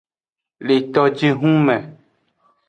Le tojihun me.